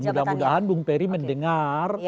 mudah mudahan bung peri mendengar